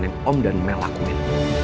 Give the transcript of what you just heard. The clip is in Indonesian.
yang om dan mel lakuin